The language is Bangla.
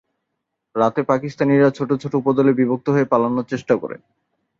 রাতে পাকিস্তানিরা ছোট ছোট উপদলে বিভক্ত হয়ে পালানোর চেষ্টা করে।